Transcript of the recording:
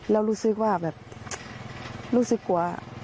แล้วรู้สึกว่าแบบรู้สึกกลัว